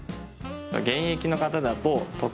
現役の方だと。